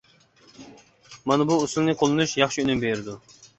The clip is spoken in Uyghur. مانا بۇ ئۇسۇلنى قوللىنىش ياخشى ئۈنۈم بېرىدۇ.